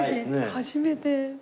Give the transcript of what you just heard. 初めて。